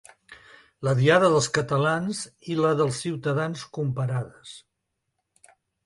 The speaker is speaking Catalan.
La diada dels catalans i la dels ciutadans comparades.